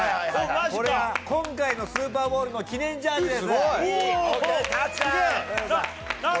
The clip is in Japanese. これは今回のスーパーボウルの記念ジャージです。